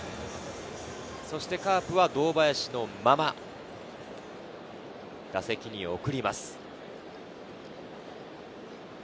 カープは堂林のまま、打席に送ります。